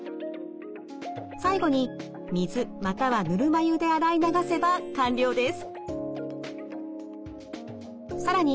最後に水またはぬるま湯で洗い流せば完了です。